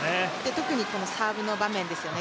特にサーブの場面ですよね